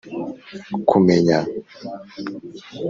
Kumenya